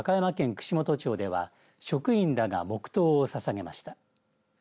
串本町では職員らが黙とうをささげました。